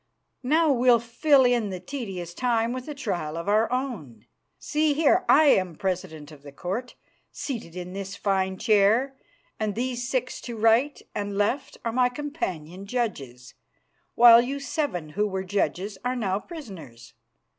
Now we'll fill in the tedious time with a trial of our own. See here, I am president of the court, seated in this fine chair, and these six to right and left are my companion judges, while you seven who were judges are now prisoners.